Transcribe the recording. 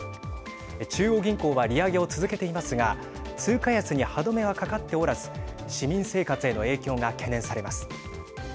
中央銀行は利上げを続けていますが通貨安に歯止めはかかっておらず市民生活への影響が懸念されます。